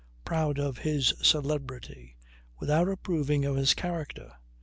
Proud of his celebrity without approving of his character.